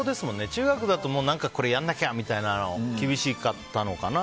中学だとこれやらなきゃみたいなのが厳しかったのかな。